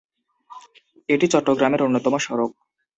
এটি চট্টগ্রামের অন্যতম সড়ক।